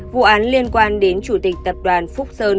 vụ án liên quan đến chủ tịch tập đoàn phúc sơn